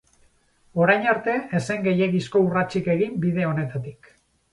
Orain arte ez zen gehiegizko urratsik egin bide honetatik.